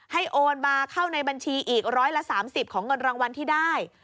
โอนมาเข้าในบัญชีอีกร้อยละ๓๐ของเงินรางวัลที่ได้